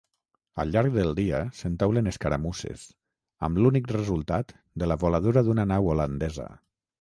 Al llarg del dia s'entaulen escaramusses, amb l'únic resultat de la voladura d'una nau holandesa.